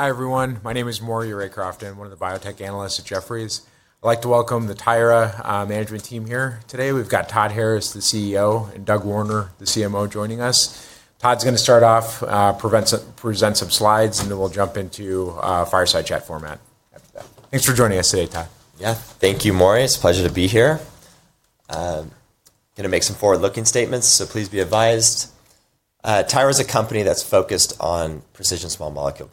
Hi, everyone. My name is Maury Ray Crofton, one of the biotech analysts at Jefferies. I'd like to welcome the Tyra Management Team here. Today, we've got Todd Harris, the CEO, and Doug Warner, the CMO, joining us. Todd's going to start off, present some slides, and then we'll jump into a fireside chat format after that. Thanks for joining us today, Todd. Yeah, thank you, Maury. It's a pleasure to be here. I'm going to make some forward-looking statements, so please be advised. Tyra is a company that's focused on precision small molecule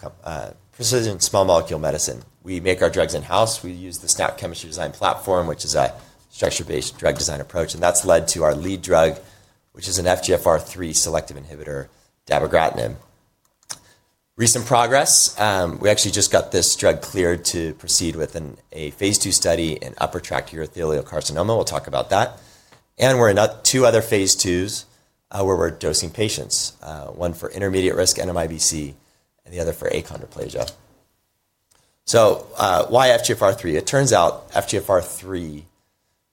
medicine. We make our drugs in-house. We use the SNAP Chemistry Design Platform, which is a structure-based drug design approach, and that's led to our lead drug, which is an FGFR3 selective inhibitor, dabogratinib. Recent progress: we actually just got this drug cleared to proceed with a phase II study in upper tract urothelial carcinoma. We'll talk about that. We're in 2 other phase II's where we're dosing patients, one for intermediate risk NMIBC and the other for achondroplasia. Why FGFR3? It turns out FGFR3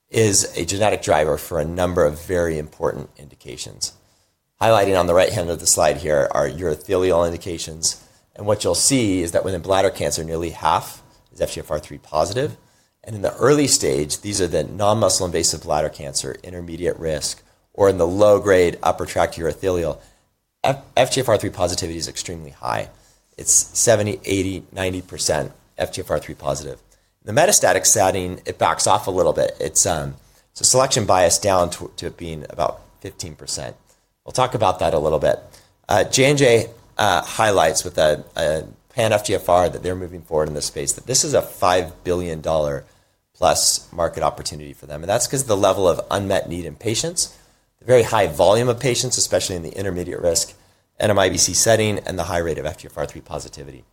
is a genetic driver for a number of very important indications. Highlighted on the right hand of the slide here are urothelial indications. What you'll see is that within bladder cancer, nearly half is FGFR3 positive. In the early stage, these are the non-muscle invasive bladder cancer, intermediate risk, or in the low-grade upper tract urothelial, FGFR3 positivity is extremely high. It's 70%, 80%, 90% FGFR3 positive. In the metastatic setting, it backs off a little bit. It's a selection bias down to being about 15%. We'll talk about that a little bit. J&J highlights with a pan-FGFR that they're moving forward in this space, that this is a $5 billion-plus market opportunity for them. That's because of the level of unmet need in patients, the very high volume of patients, especially in the intermediate risk NMIBC setting, and the high rate of FGFR3 positivity.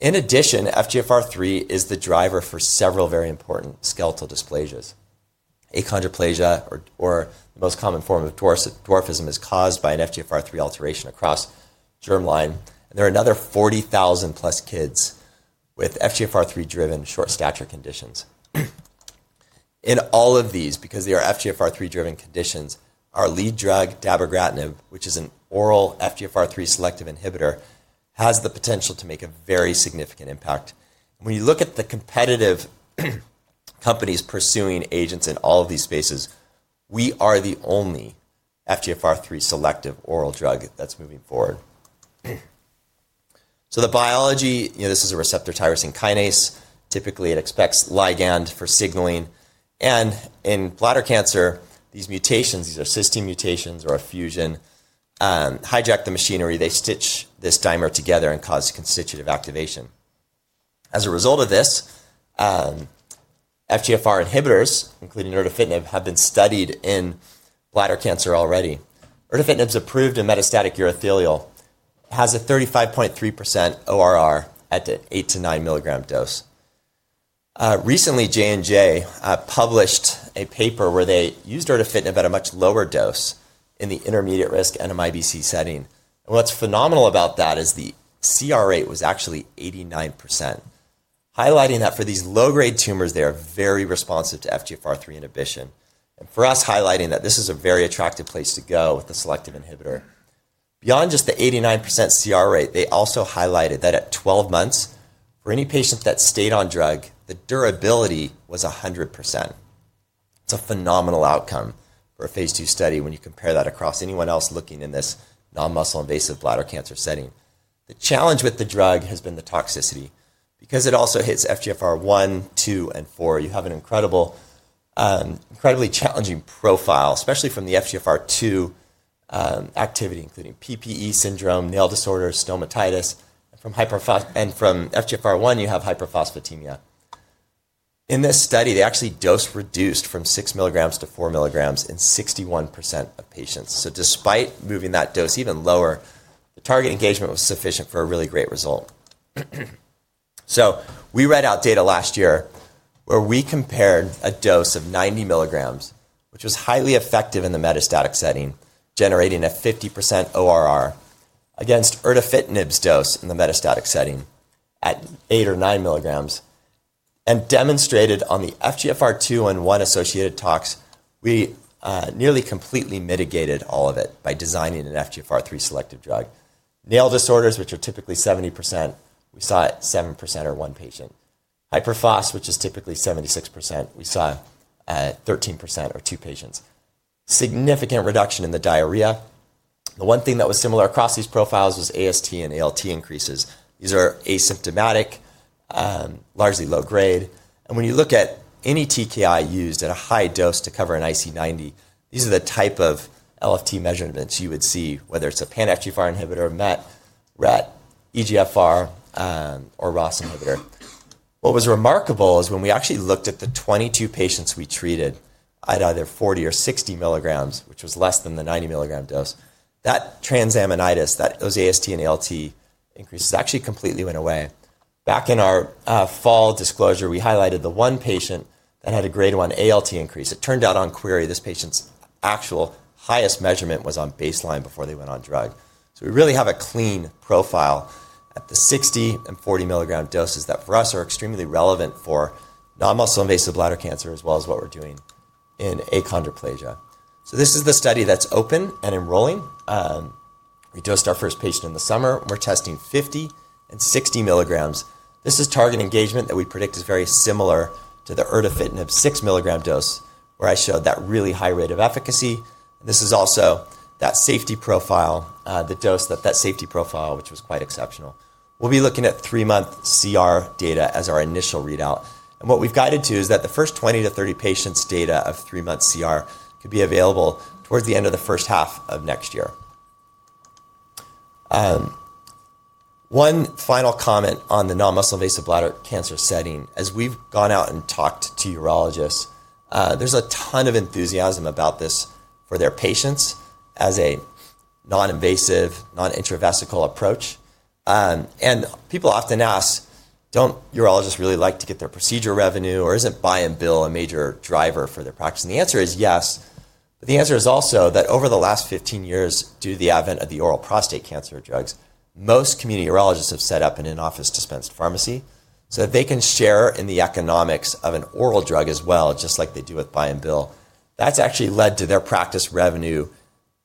In addition, FGFR3 is the driver for several very important skeletal dysplasias. Achondroplasia, or the most common form of dwarfism, is caused by an FGFR3 alteration across germline. There are another 40,000-plus kids with FGFR3-driven short stature conditions. In all of these, because they are FGFR3-driven conditions, our lead drug, dabogratinib, which is an oral FGFR3 selective inhibitor, has the potential to make a very significant impact. When you look at the competitive companies pursuing agents in all of these spaces, we are the only FGFR3 selective oral drug that's moving forward. The biology, this is a receptor tyrosine kinase. Typically, it expects ligand for signaling. In bladder cancer, these mutations, these are cysteine mutations or a fusion, hijack the machinery. They stitch this dimer together and cause constitutive activation. As a result of this, FGFR inhibitors, including erdafitinib, have been studied in bladder cancer already. Erdafitinib is approved in metastatic urothelial, has a 35.3% ORR at the 8-9 milligram dose. Recently, Johnson & Johnson published a paper where they used erdafitinib at a much lower dose in the intermediate risk NMIBC setting. What's phenomenal about that is the CR rate was actually 89%, highlighting that for these low-grade tumors, they are very responsive to FGFR3 inhibition. For us, highlighting that this is a very attractive place to go with a selective inhibitor. Beyond just the 89% CR rate, they also highlighted that at 12 months, for any patient that stayed on drug, the durability was 100%. It's a phenomenal outcome for a phase II study when you compare that across anyone else looking in this non-muscle invasive bladder cancer setting. The challenge with the drug has been the toxicity. Because it also hits FGFR1, 2, and 4, you have an incredibly challenging profile, especially from the FGFR2 activity, including PPE syndrome, nail disorders, stomatitis. From FGFR1, you have hyperphosphatemia. In this study, they actually dose-reduced from 6 milligrams to 4 milligrams in 61% of patients. Despite moving that dose even lower, the target engagement was sufficient for a really great result. We read out data last year where we compared a dose of 90 milligrams, which was highly effective in the metastatic setting, generating a 50% ORR against erdafitinib's dose in the metastatic setting at 8 or 9 milligrams. Demonstrated on the FGFR2 and 1 associated tox, we nearly completely mitigated all of it by designing an FGFR3 selective drug. Nail disorders, which are typically 70%, we saw at 7% or 1 patient. Hyperphosph, which is typically 76%, we saw at 13% or 2 patients. Significant reduction in the diarrhea. The one thing that was similar across these profiles was AST and ALT increases. These are asymptomatic, largely low grade. When you look at any TKI used at a high dose to cover an IC90, these are the type of LFT measurements you would see, whether it's a pan-FGFR inhibitor, MET, RET, EGFR, or ROS inhibitor. What was remarkable is when we actually looked at the 22 patients we treated at either 40 or 60 milligrams, which was less than the 90 milligram dose, that transaminitis, those AST and ALT increases actually completely went away. Back in our fall disclosure, we highlighted the one patient that had a grade 1 ALT increase. It turned out on query, this patient's actual highest measurement was on baseline before they went on drug. We really have a clean profile at the 60 and 40 milligram doses that for us are extremely relevant for non-muscle invasive bladder cancer, as well as what we're doing in achondroplasia. This is the study that's open and enrolling. We dosed our first patient in the summer. We're testing 50 and 60 milligrams. This is target engagement that we predict is very similar to the erdafitinib 6 milligram dose, where I showed that really high rate of efficacy. This is also that safety profile, the dose that that safety profile, which was quite exceptional. We'll be looking at 3-month CR data as our initial readout. What we've guided to is that the first 20-30 patients' data of 3-month CR could be available towards the end of the first half of next year. One final comment on the non-muscle invasive bladder cancer setting. As we've gone out and talked to urologists, there's a ton of enthusiasm about this for their patients as a non-invasive, non-intravesical approach. People often ask, don't urologists really like to get their procedure revenue, or isn't buy and bill a major driver for their practice? The answer is yes. The answer is also that over the last 15 years, due to the advent of the oral prostate cancer drugs, most community urologists have set up an in-office dispensed pharmacy so that they can share in the economics of an oral drug as well, just like they do with buy and bill. That's actually led to their practice revenue,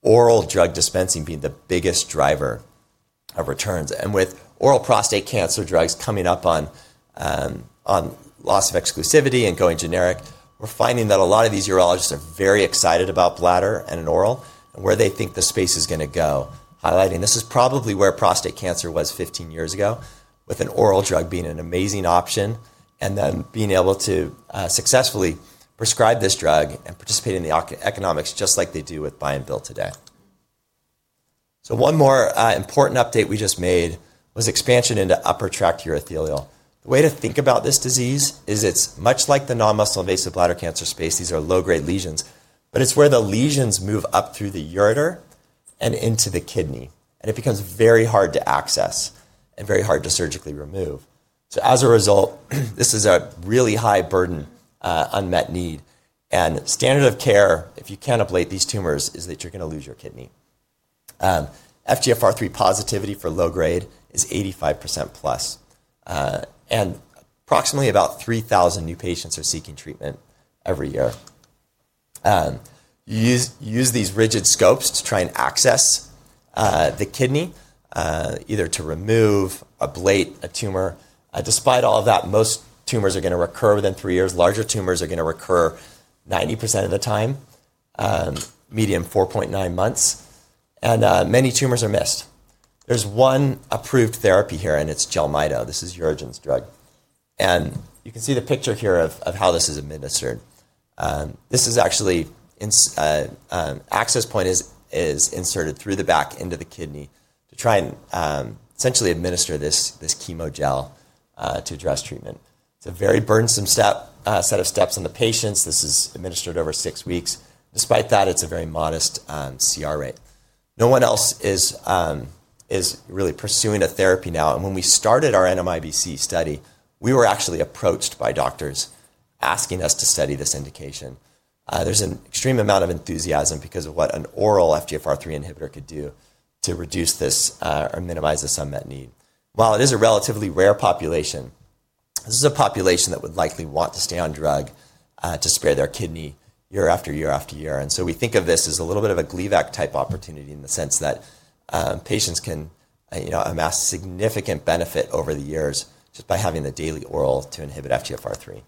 oral drug dispensing being the biggest driver of returns. With oral prostate cancer drugs coming up on loss of exclusivity and going generic, we're finding that a lot of these urologists are very excited about bladder and an oral and where they think the space is going to go, highlighting this is probably where prostate cancer was 15 years ago, with an oral drug being an amazing option and then being able to successfully prescribe this drug and participate in the economics just like they do with buy and bill today. One more important update we just made was expansion into upper tract urothelial. The way to think about this disease is it's much like the non-muscle invasive bladder cancer space. These are low-grade lesions, but it's where the lesions move up through the ureter and into the kidney. It becomes very hard to access and very hard to surgically remove. As a result, this is a really high burden unmet need. Standard of care, if you can't ablate these tumors, is that you're going to lose your kidney. FGFR3 positivity for low grade is 85% plus. Approximately about 3,000 new patients are seeking treatment every year. You use these rigid scopes to try and access the kidney, either to remove or ablate a tumor. Despite all of that, most tumors are going to recur within 3 years. Larger tumors are going to recur 90% of the time, medium 4.9 months. Many tumors are missed. There is one approved therapy here, and it's Jelmyto. This is UroGen's drug. You can see the picture here of how this is administered. This is actually access point is inserted through the back into the kidney to try and essentially administer this chemo gel to address treatment. It's a very burdensome set of steps on the patients. This is administered over six weeks. Despite that, it's a very modest CR rate. No one else is really pursuing a therapy now. When we started our NMIBC study, we were actually approached by doctors asking us to study this indication. There's an extreme amount of enthusiasm because of what an oral FGFR3 inhibitor could do to reduce this or minimize this unmet need. While it is a relatively rare population, this is a population that would likely want to stay on drug to spare their kidney year after year after year. We think of this as a little bit of a Gleevec type opportunity in the sense that patients can amass significant benefit over the years just by having the daily oral to inhibit FGFR3.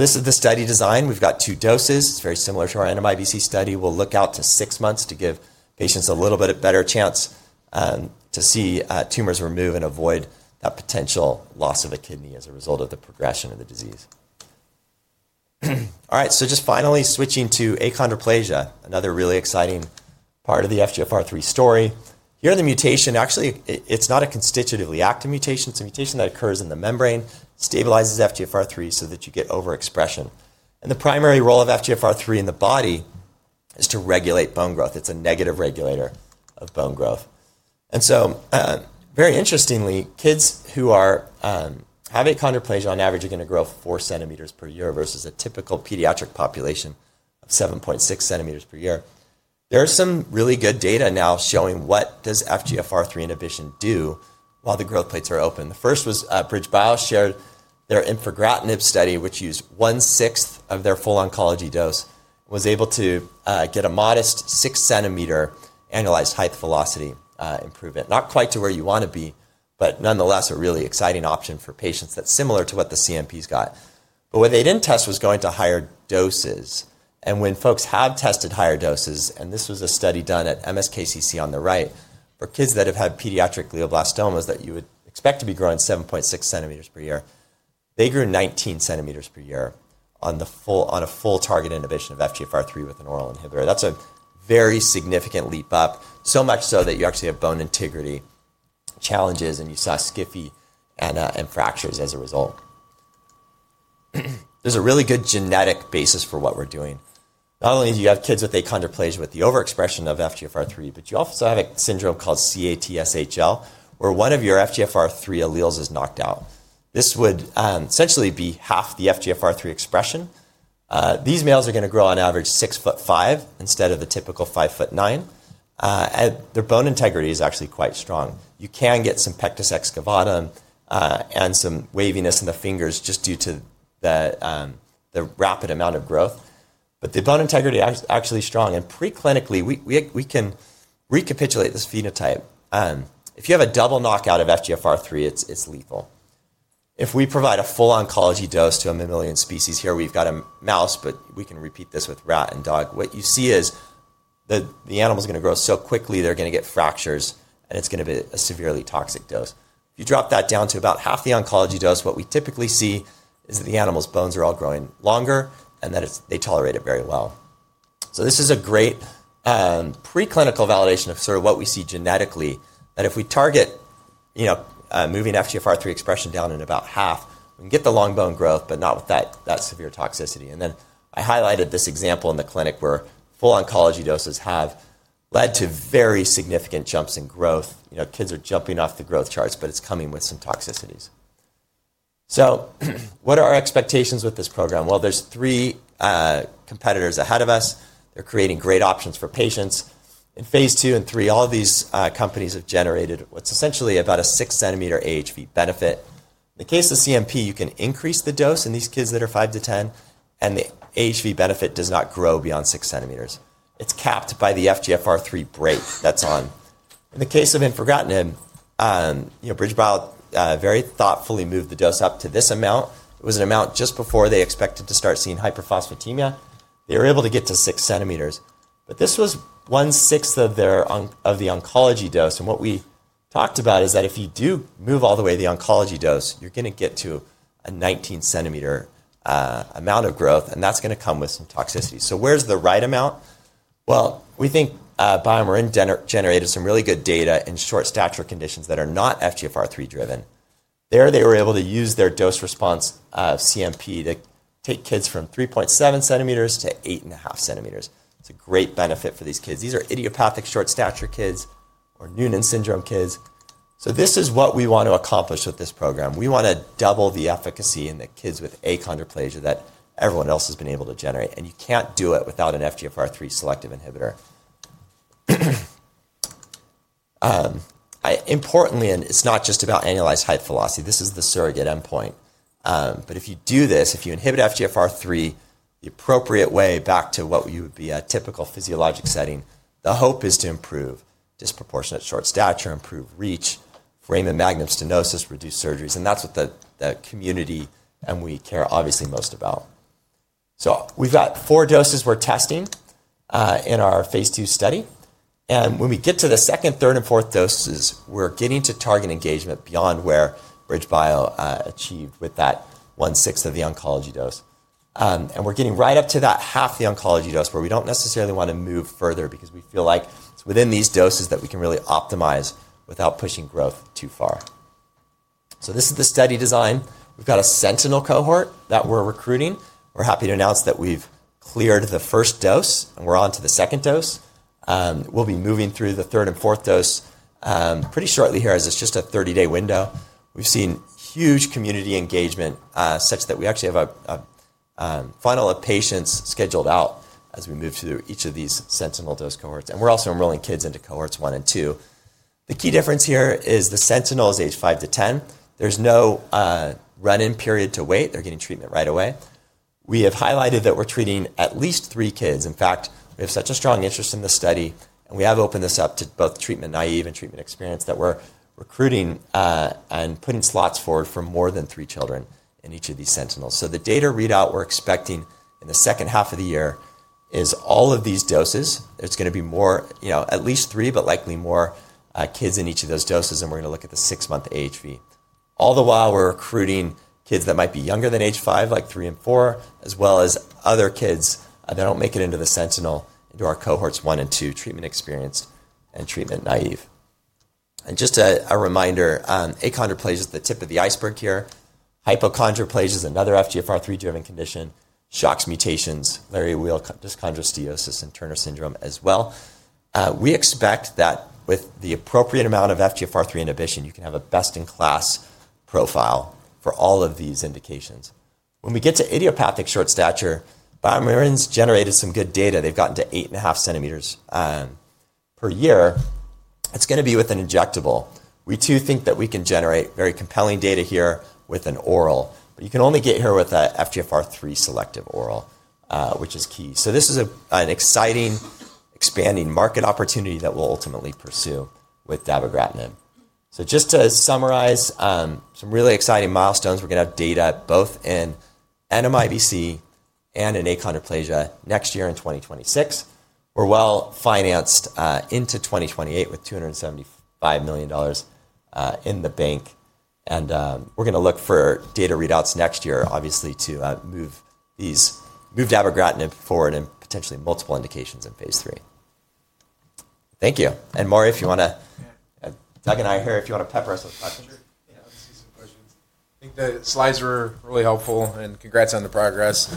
This is the study design. We've got 2 doses. It's very similar to our NMIBC study. We'll look out to six months to give patients a little bit of better chance to see tumors remove and avoid that potential loss of a kidney as a result of the progression of the disease. All right, just finally switching to achondroplasia, another really exciting part of the FGFR3 story. Here in the mutation, actually, it's not a constitutively active mutation. It's a mutation that occurs in the membrane, stabilizes FGFR3 so that you get overexpression. The primary role of FGFR3 in the body is to regulate bone growth. It's a negative regulator of bone growth. Very interestingly, kids who are having achondroplasia on average are going to grow 4 centimeters per year versus a typical pediatric population of 7.6 centimeters per year. There is some really good data now showing what does FGFR3 inhibition do while the growth plates are open. The first was BridgeBio shared their infigratinib study, which used one-sixth of their full oncology dose and was able to get a modest 6-centimeter annualized height velocity improvement. Not quite to where you want to be, but nonetheless, a really exciting option for patients that's similar to what the CMPs got. What they didn't test was going to higher doses. When folks have tested higher doses, and this was a study done at Memorial Sloan Kettering Cancer Center on the right, for kids that have had pediatric glioblastomas that you would expect to be growing 7.6 centimeters per year, they grew 19 centimeters per year on a full target inhibition of FGFR3 with an oral inhibitor. That's a very significant leap up, so much so that you actually have bone integrity challenges, and you saw SCFE and fractures as a result. There's a really good genetic basis for what we're doing. Not only do you have kids with achondroplasia with the overexpression of FGFR3, but you also have a syndrome called CATSHL, where one of your FGFR3 alleles is knocked out. This would essentially be half the FGFR3 expression. These males are going to grow on average 6 foot 5 instead of the typical 5 foot 9. Their bone integrity is actually quite strong. You can get some pectus excavatum and some waviness in the fingers just due to the rapid amount of growth. The bone integrity is actually strong. Preclinically, we can recapitulate this phenotype. If you have a double knockout of FGFR3, it's lethal. If we provide a full oncology dose to a mammalian species here, we've got a mouse, but we can repeat this with rat and dog. What you see is the animal is going to grow so quickly, they're going to get fractures, and it's going to be a severely toxic dose. If you drop that down to about half the oncology dose, what we typically see is that the animal's bones are all growing longer and that they tolerate it very well. This is a great preclinical validation of sort of what we see genetically, that if we target moving FGFR3 expression down in about half, we can get the long bone growth, but not with that severe toxicity. I highlighted this example in the clinic where full oncology doses have led to very significant jumps in growth. Kids are jumping off the growth charts, but it's coming with some toxicities. What are our expectations with this program? There are 3 competitors ahead of us. They're creating great options for patients. In phase II and III, all of these companies have generated what's essentially about a 6-centimeter AHV benefit. In the case of CNP, you can increase the dose in these kids that are 5 to 10, and the AHV benefit does not grow beyond 6 centimeters. It's capped by the FGFR3 brake that's on. In the case of infigratinib, BridgeBio very thoughtfully moved the dose up to this amount. It was an amount just before they expected to start seeing hyperphosphatemia. They were able to get to 6 centimeters. This was one sixth of the oncology dose. What we talked about is that if you do move all the way the oncology dose, you're going to get to a 19-centimeter amount of growth, and that's going to come with some toxicity. Where's the right amount? We think BioMarin generated some really good data in short stature conditions that are not FGFR3 driven. There, they were able to use their dose response CMP to take kids from 3.7 centimeters to 8 and a half centimeters. It's a great benefit for these kids. These are idiopathic short stature kids or Noonan syndrome kids. This is what we want to accomplish with this program. We want to double the efficacy in the kids with achondroplasia that everyone else has been able to generate. You can't do it without an FGFR3 selective inhibitor. Importantly, it's not just about annualized height velocity. This is the surrogate endpoint. If you do this, if you inhibit FGFR3 the appropriate way back to what would be a typical physiologic setting, the hope is to improve disproportionate short stature, improve reach, frame and magnum stenosis, reduce surgeries. That is what the community and we care obviously most about. We have 4 doses we are testing in our phase II study. When we get to the second, third, and fourth doses, we are getting to target engagement beyond where BridgeBio achieved with that one sixth of the oncology dose. We are getting right up to that half the oncology dose where we do not necessarily want to move further because we feel like it is within these doses that we can really optimize without pushing growth too far. This is the study design. We have a sentinel cohort that we are recruiting. We're happy to announce that we've cleared the first dose, and we're on to the second dose. We'll be moving through the third and fourth dose pretty shortly here as it's just a 30-day window. We've seen huge community engagement such that we actually have a final of patients scheduled out as we move through each of these sentinel dose cohorts. We're also enrolling kids into cohorts 1 and 2. The key difference here is the sentinel is age 5 to 10. There's no run-in period to wait. They're getting treatment right away. We have highlighted that we're treating at least 3 kids. In fact, we have such a strong interest in the study, and we have opened this up to both treatment naive and treatment experienced that we're recruiting and putting slots forward for more than 3 children in each of these sentinels. The data readout we're expecting in the second half of the year is all of these doses. There's going to be at least 3, but likely more kids in each of those doses, and we're going to look at the six-month AHV. All the while, we're recruiting kids that might be younger than age 5, like 3 and 4, as well as other kids that don't make it into the sentinel, into our cohorts 1 and 2, treatment experienced and treatment naive. Just a reminder, achondroplasia is the tip of the iceberg here. Hypochondroplasia is another FGFR3-driven condition. Shock mutations, laryngeal dyschondrosteosis, and Turner syndrome as well. We expect that with the appropriate amount of FGFR3 inhibition, you can have a best-in-class profile for all of these indications. When we get to idiopathic short stature, BioMarin's generated some good data. They've gotten to 8.5 centimeters per year. It's going to be with an injectable. We too think that we can generate very compelling data here with an oral. You can only get here with an FGFR3 selective oral, which is key. This is an exciting, expanding market opportunity that we'll ultimately pursue with dabogratinib. Just to summarize some really exciting milestones, we're going to have data both in NMIBC and in achondroplasia next year in 2026. We're well financed into 2028 with $275 million in the bank. We're going to look for data readouts next year, obviously, to move dabogratinib forward in potentially multiple indications in phase III. Thank you. Maury, if you want to, Doug and I are here if you want to pepper us with questions. Sure. Yeah, I'll just do some questions. I think the slides were really helpful, and congrats on the progress.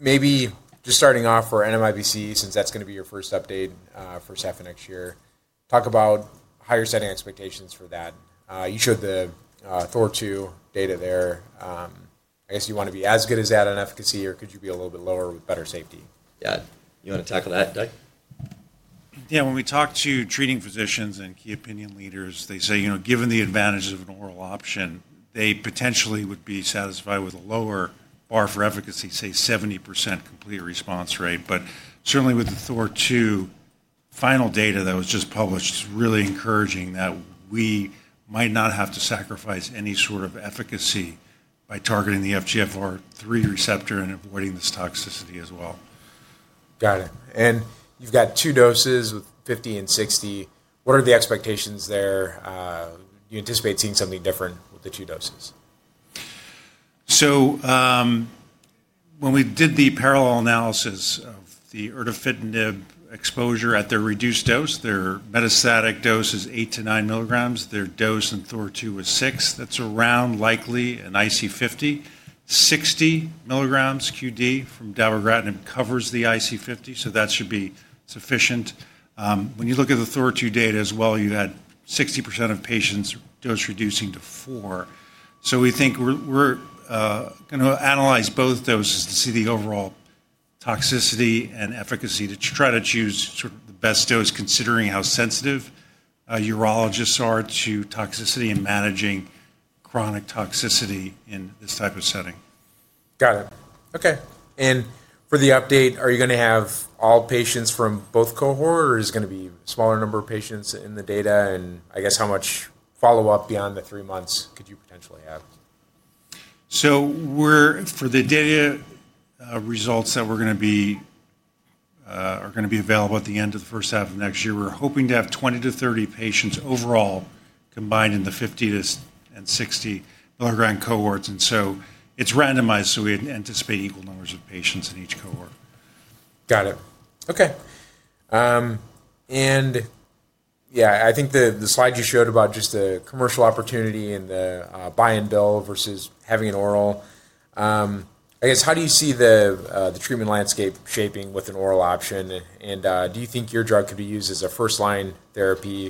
Maybe just starting off for NMIBC, since that's going to be your first update for SNÅP next year, talk about how you're setting expectations for that. You showed the THOR-2 data there. I guess you want to be as good as that in efficacy, or could you be a little bit lower with better safety? Yeah, you want to tackle that, Doug? Yeah, when we talk to treating physicians and key opinion leaders, they say, given the advantages of an oral option, they potentially would be satisfied with a lower bar for efficacy, say 70% complete response rate. Certainly with the Thor 2 final data that was just published, it's really encouraging that we might not have to sacrifice any sort of efficacy by targeting the FGFR3 receptor and avoiding this toxicity as well. Got it. You have got 2 doses with 50 and 60. What are the expectations there? Do you anticipate seeing something different with the 2 doses? When we did the parallel analysis of the erdafitinib exposure at their reduced dose, their metastatic dose is 8-9 milligrams. Their dose in THOR-2 was 6. That's around likely an IC50. 60 milligrams qD from dabogratinib covers the IC50, so that should be sufficient. When you look at the THOR-2 data as well, you had 60% of patients dose-reducing to 4. We think we're going to analyze both doses to see the overall toxicity and efficacy to try to choose sort of the best dose, considering how sensitive urologists are to toxicity and managing chronic toxicity in this type of setting. Got it. Okay. For the update, are you going to have all patients from both cohorts, or is it going to be a smaller number of patients in the data? I guess how much follow-up beyond the 3 months could you potentially have? For the data results that are going to be available at the end of the first half of next year, we're hoping to have 20-30 patients overall combined in the 50-60 milligram cohorts. It's randomized, so we anticipate equal numbers of patients in each cohort. Got it. Okay. I think the slide you showed about just the commercial opportunity and the buy and bill versus having an oral, I guess, how do you see the treatment landscape shaping with an oral option? Do you think your drug could be used as a first-line therapy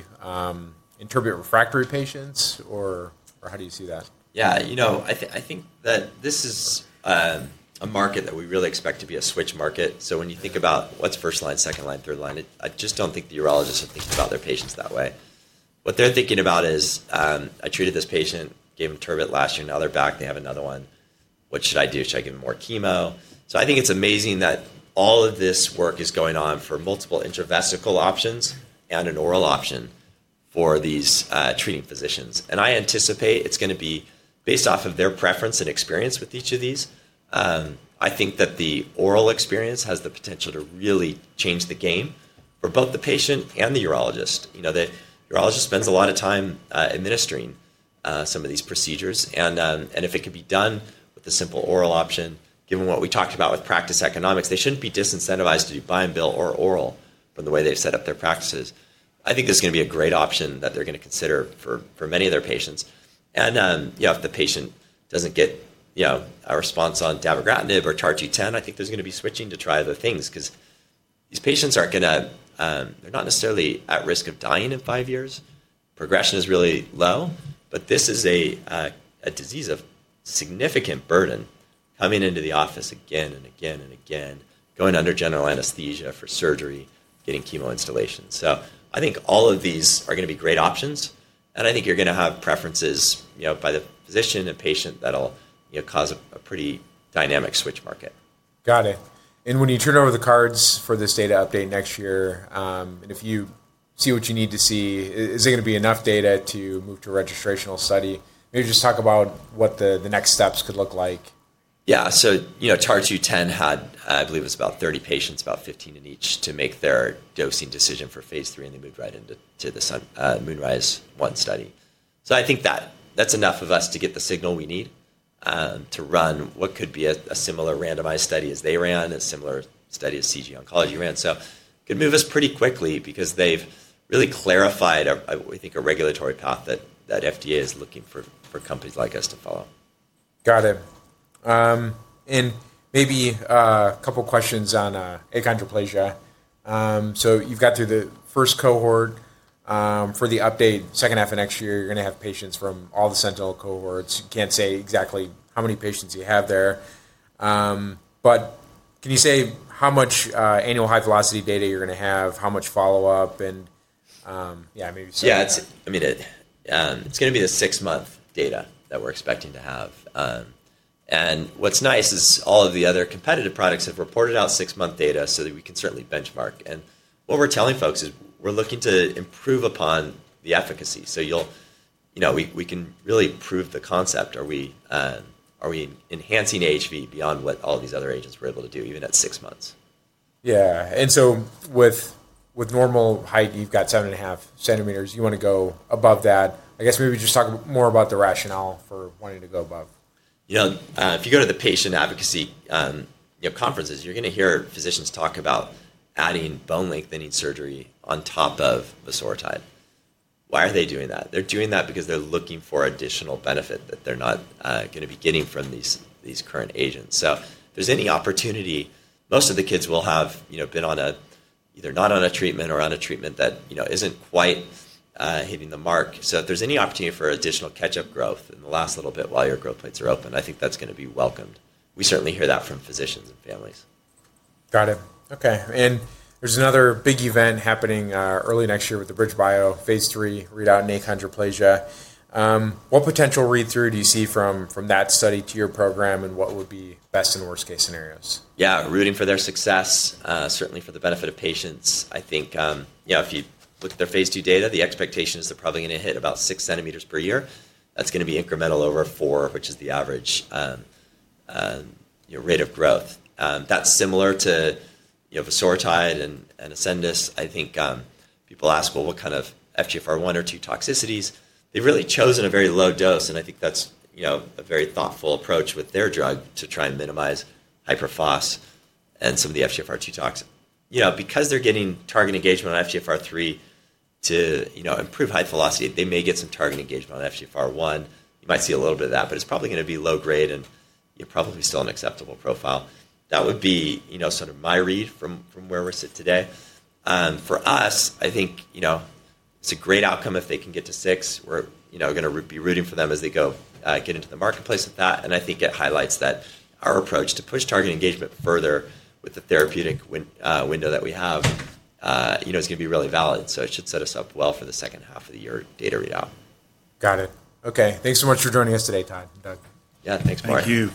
in turbinate refractory patients, or how do you see that? Yeah, you know I think that this is a market that we really expect to be a switch market. When you think about what's first line, second line, third line, I just don't think the urologists are thinking about their patients that way. What they're thinking about is, "I treated this patient, gave him TURBT last year. Now they're back. They have another one. What should I do? Should I give them more chemo?" I think it's amazing that all of this work is going on for multiple intravesical options and an oral option for these treating physicians. I anticipate it's going to be based off of their preference and experience with each of these. I think that the oral experience has the potential to really change the game for both the patient and the urologist. The urologist spends a lot of time administering some of these procedures. If it could be done with a simple oral option, given what we talked about with practice economics, they shouldn't be disincentivized to do buy and bill or oral from the way they've set up their practices. I think this is going to be a great option that they're going to consider for many of their patients. If the patient doesn't get a response on dabogratinib or TARG-210, I think there's going to be switching to try other things because these patients aren't going to—they're not necessarily at risk of dying in 5 years. Progression is really low, but this is a disease of significant burden coming into the office again and again and again, going under general anesthesia for surgery, getting chemo installation. I think all of these are going to be great options. I think you're going to have preferences by the physician and patient that'll cause a pretty dynamic switch market. Got it. When you turn over the cards for this data update next year, and if you see what you need to see, is it going to be enough data to move to a registrational study? Maybe just talk about what the next steps could look like. Yeah. TARG-210 had, I believe it was about 30 patients, about 15 in each, to make their dosing decision for phase III, and they moved right into the Moonrise one study. I think that's enough of us to get the signal we need to run what could be a similar randomized study as they ran, a similar study as CG Oncology ran. It could move us pretty quickly because they've really clarified, I think, a regulatory path that FDA is looking for companies like us to follow. Got it. Maybe a couple of questions on achondroplasia. You've got through the first cohort. For the update, second half of next year, you're going to have patients from all the sentinel cohorts. You can't say exactly how many patients you have there. Can you say how much annual height velocity data you're going to have, how much follow-up? Maybe say. Yeah, I mean, it's going to be the six-month data that we're expecting to have. What's nice is all of the other competitive products have reported out six-month data so that we can certainly benchmark. What we're telling folks is we're looking to improve upon the efficacy. We can really prove the concept. Are we enhancing AHV beyond what all these other agents were able to do even at six months? Yeah. And with normal height, you've got 7 and a half centimeters. You want to go above that. I guess maybe just talk more about the rationale for wanting to go above. Yeah. If you go to the patient advocacy conferences, you're going to hear physicians talk about adding bone lengthening surgery on top of vosoritide. Why are they doing that? They're doing that because they're looking for additional benefit that they're not going to be getting from these current agents. If there's any opportunity, most of the kids will have been on either not on a treatment or on a treatment that isn't quite hitting the mark. If there's any opportunity for additional catch-up growth in the last little bit while your growth plates are open, I think that's going to be welcomed. We certainly hear that from physicians and families. Got it. Okay. There is another big event happening early next year with the BridgeBio phase III readout in achondroplasia. What potential read-through do you see from that study to your program, and what would be best and worst-case scenarios? Yeah, rooting for their success, certainly for the benefit of patients. I think if you look at their phase II data, the expectation is they're probably going to hit about 6 centimeters per year. That's going to be incremental over 4, which is the average rate of growth. That's similar to vosoritide and Ascendis. I think people ask, well, what kind of FGFR1 or 2 toxicities? They've really chosen a very low dose, and I think that's a very thoughtful approach with their drug to try and minimize hyperphosphatemia and some of the FGFR2 toxins. Because they're getting target engagement on FGFR3 to improve height velocity, they may get some target engagement on FGFR1. You might see a little bit of that, but it's probably going to be low-grade and probably still an acceptable profile. That would be sort of my read from where we're sitting today. For us, I think it's a great outcome if they can get to six. We're going to be rooting for them as they go get into the marketplace with that. I think it highlights that our approach to push target engagement further with the therapeutic window that we have is going to be really valid. It should set us up well for the second half of the year data readout. Got it. Okay. Thanks so much for joining us today, Todd. Doug. Yeah, thanks, Maury. Thank you.